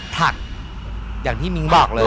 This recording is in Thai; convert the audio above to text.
ผักอย่างที่มิ้งบอกเลย